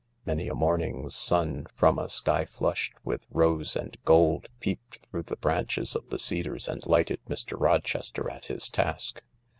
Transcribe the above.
Many a morning's sun from a sky flushed with rose and gold peeped through the branches of the cedars and lighted Mr. Rochester at his task.